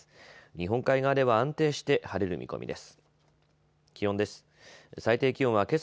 日本海側では安定して晴れる見込みです。